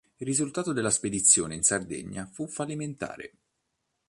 Il risultato della spedizione in Sardegna fu fallimentare.